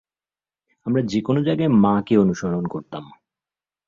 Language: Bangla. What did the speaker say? আমরা যে কোন জায়গায় মা কে অনুসরণ করতাম।